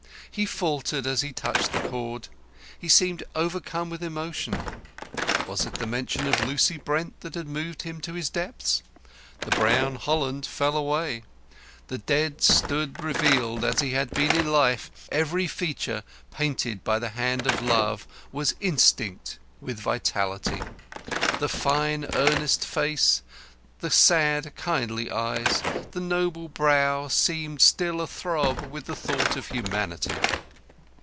He faltered as he touched the cord. He seemed overcome with emotion. Was it the mention of Lucy Brent that had moved him to his depths? The brown holland fell away the dead stood revealed as he had been in life. Every feature, painted by the hand of Love, was instinct with vitality: the fine, earnest face, the sad kindly eyes, the noble brow, seeming still a throb with the thought of Humanity.